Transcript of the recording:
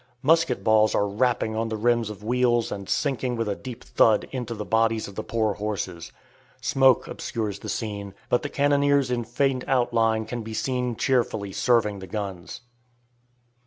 Musket balls are "rapping" on the rims of the wheels and sinking with a deep "thud" into the bodies of the poor horses. Smoke obscures the scene, but the cannoniers in faint outline can be seen cheerfully serving the guns.